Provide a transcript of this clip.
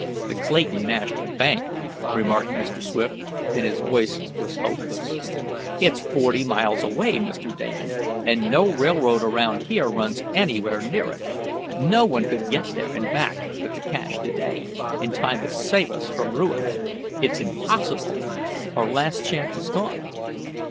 "The Clayton National Bank," remarked Mr. Swift, and his voice was hopeless. "It's forty miles away, Mr. Damon, and no railroad around here runs anywhere near it. No one could get there and back with the cash to day, in time to save us from ruin. It's impossible! Our last chance is gone."